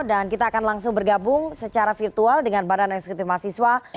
dan kita akan langsung bergabung secara virtual dengan badan eksekutif mahasiswa